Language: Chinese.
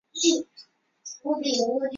杂种鱼鳔槐为豆科鱼鳔槐属下的一个种。